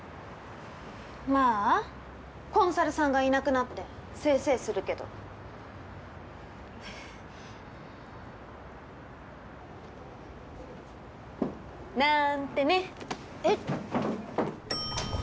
まあコンサルさんがいなくなってせいせいするけどなーんてねえっ？